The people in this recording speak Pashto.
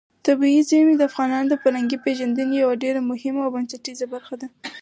طبیعي زیرمې د افغانانو د فرهنګي پیژندنې یوه ډېره مهمه او بنسټیزه برخه ده.